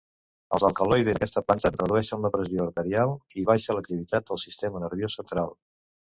Els alcaloides d'aquesta planta redueixen la pressió arterial, i baixa l'activitat del sistema nerviós central.